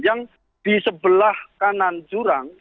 yang di sebelah kanan jurang